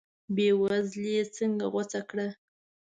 بې وزلي یې څنګه غوڅه کړه.